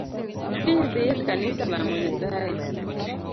Kiny dhiye kanisa lamo nyasaye.